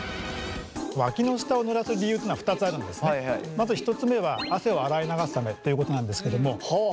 まず１つ目は汗を洗い流すためっていうことなんですけども。